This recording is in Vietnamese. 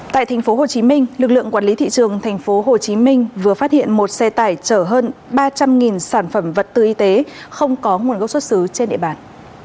tại tp hcm lực lượng quản lý thị trường tp hcm vừa phát hiện một xe tải chở hơn ba trăm linh sản phẩm vật tư y tế không có nguồn gốc xuất xứ trên địa bàn